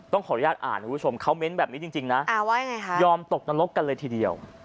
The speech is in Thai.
ต้องขออนุญาตอ่านว่าคร้าวยอมตกนรกกันเลยทีเดียว